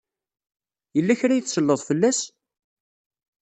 Yella kra ay tselleḍ fell-as?